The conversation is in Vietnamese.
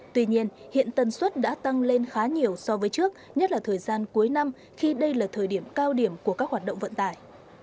tuy nhiên hiện tần suất đã tăng lên khá nhiều so với trước nhất là thời gian cuối năm khi đây là thời điểm cao điểm của các hoạt động vận tải